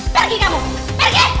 pergi kamu pergi